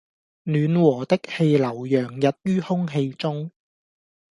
暖和的氣流洋溢於空氣中